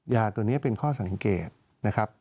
ยาตัวนี้เป็นข้อสังเกตนะครับ